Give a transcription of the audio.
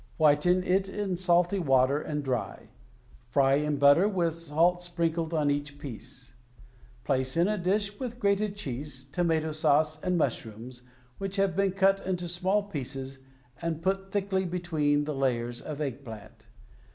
Whiten it in salty water, and dry. Fry, in butter, with salt sprinkled on each piece. Place in a dish with grated cheese, tomato sauce, and mushrooms, which have been cut into small pieces and put thickly between the layers of egg plant.